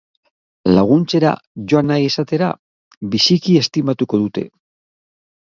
Laguntzera joan nahi izatera, biziki estimatuko dute!